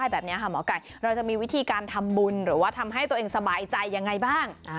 แบบนี้ค่ะหมอไก่เราจะมีวิธีการทำบุญหรือว่าทำให้ตัวเองสบายใจยังไงบ้าง